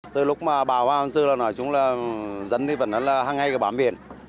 từ lúc bà hoàng văn bồng nói chúng là dân vẫn là hàng ngay bám biển